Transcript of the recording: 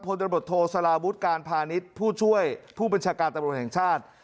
ตำรวจโทสลาวุฒิการพาณิชย์ผู้ช่วยผู้บัญชาการตำรวจแห่งชาติ